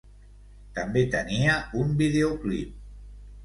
També tenia un videoclip.